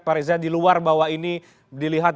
pak rizie di luar bawah ini dilihat